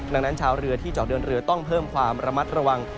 ดังนั้นชาวเรือที่เจาะเดินเรือต้องเพิ่มความระมัดระวัง